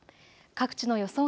各地の予想